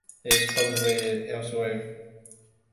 It is cultivated elsewhere.